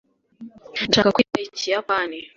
ndashaka kwiga ikiyapani